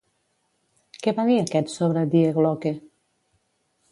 Què va dir aquest sobre Die Glocke?